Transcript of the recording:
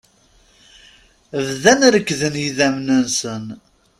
Bdan rekkden yidamen-nsen.